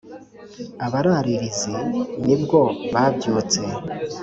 Abararirizi ni bwo babyutse,